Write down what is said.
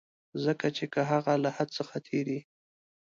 ځکه چي که هغه له حد څخه تېری.